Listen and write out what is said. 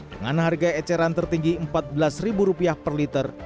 dengan harga eceran tertinggi rp empat belas per liter